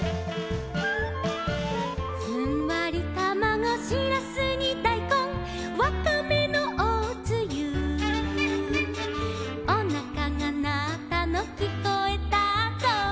「ふんわりたまご」「しらすにだいこん」「わかめのおつゆ」「おなかがなったのきこえたぞ」